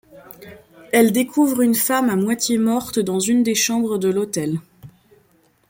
Elle découvre une femme à moitié morte dans une des chambres de l'hôtel.